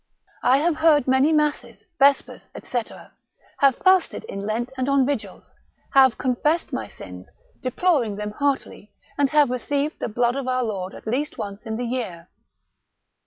I have heard many masses, vespers, &c., have fasted in Lent and on vigils, have confessed my sins, deplor ing them heartily, and have received the blood of our Lord at least once in the year.